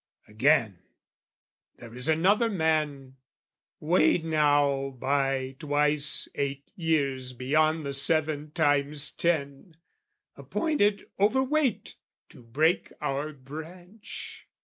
Again, there is another man, weighed now By twice eight years beyond the seven times ten, Appointed overweight to break our branch.